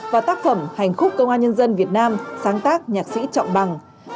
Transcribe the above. và tác phẩm hành khúc công an nhân dân việt nam sáng tác nhạc sĩ trọng bằng